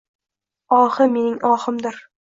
Ohi — mening ohimdir.